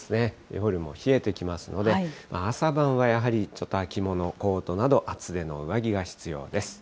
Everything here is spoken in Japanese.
夜も冷えてきますので、朝晩はやはりちょっと秋物コートなど、厚手の上着が必要です。